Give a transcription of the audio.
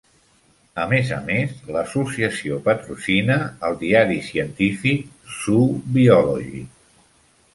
A més a més, l'associació patrocina el diari científic "Zoo Biology".